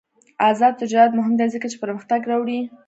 آزاد تجارت مهم دی ځکه چې پرمختګ راوړي.